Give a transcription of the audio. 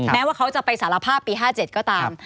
แม้ว่าเขาจะไปสารภาพปี๕๗ก็ตาม